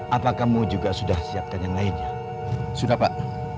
apa kamu juga sudah siapkan yang lainnya sudah pak